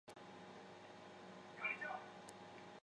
札木合。